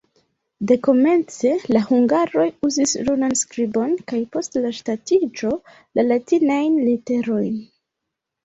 Dekomence la hungaroj uzis runan skribon kaj post la ŝtatiĝo la latinajn literojn.